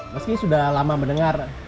meski sudah lama mendengar